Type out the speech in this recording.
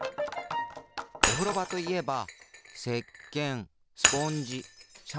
おふろばといえばせっけんスポンジシャンプー。